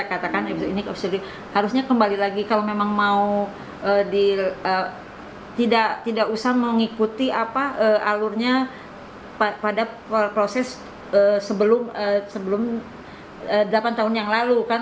katakan ini harusnya kembali lagi kalau memang mau tidak usah mengikuti alurnya pada proses sebelum delapan tahun yang lalu kan